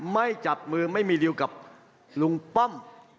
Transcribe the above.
ไม่จับมือไม่มีริวกับลุงป้อม